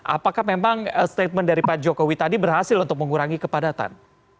apakah memang statement dari pak jokowi tadi berhasil untuk mengurangi kepadatan